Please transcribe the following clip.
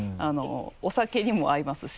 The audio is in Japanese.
お酒にも合いますし